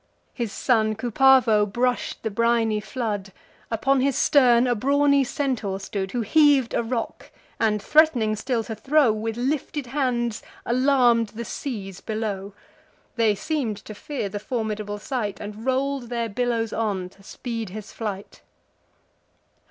His son Cupavo brush'd the briny flood: Upon his stern a brawny Centaur stood, Who heav'd a rock, and, threat'ning still to throw, With lifted hands alarm'd the seas below: They seem'd to fear the formidable sight, And roll'd their billows on, to speed his flight.